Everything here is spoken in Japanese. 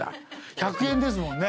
１００円ですもんね。